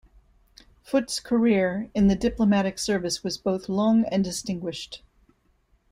Foot's career in the diplomatic service was both long and distinguished.